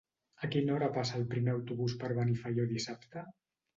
A quina hora passa el primer autobús per Benifaió dissabte?